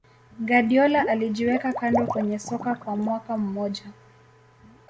Guardiola alijiweka kando kwenye soka kwa mwaka mmoja